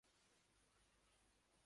こんな急成長して何があった？